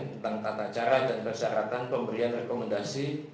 ini mengenai tata cara dan persyaratan pemberian rekomendasi